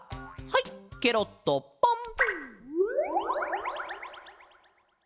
はいケロッとポン！